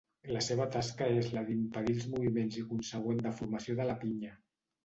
La seva tasca és la d'impedir els moviments i consegüent deformació de la pinya.